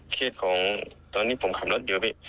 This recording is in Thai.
เครียดของตอนนี้ผมขับรถอยู่